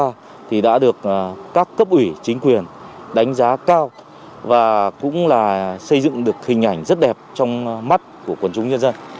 chúng ta thì đã được các cấp ủy chính quyền đánh giá cao và cũng là xây dựng được hình ảnh rất đẹp trong mắt của quần chúng nhân dân